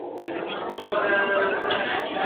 ذهني توګه تر نارینه ټيټه يا کښته ده